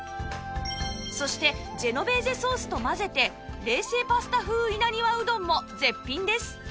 そしてジェノベーゼソースと混ぜて冷製パスタ風稲庭うどんも絶品です